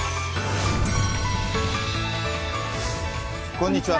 こんにちは。